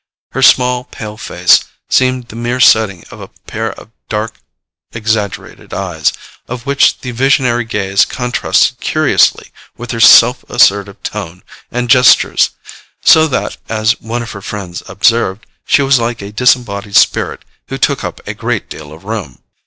Her small pale face seemed the mere setting of a pair of dark exaggerated eyes, of which the visionary gaze contrasted curiously with her self assertive tone and gestures; so that, as one of her friends observed, she was like a disembodied spirit who took up a great deal of room.